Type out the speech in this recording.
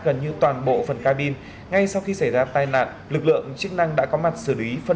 gần như toàn bộ phần cabin ngay sau khi xảy ra tai nạn lực lượng chức năng đã có mặt xử lý phân